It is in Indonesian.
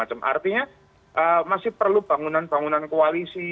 artinya masih perlu bangunan bangunan koalisi